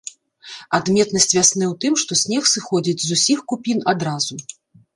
Адметнасць вясны ў тым, што снег сыходзіць з усіх купін адразу.